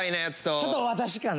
ちょっと私かな？